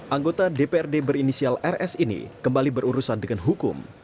anggota dprd berinisial rs ini kembali berurusan dengan hukum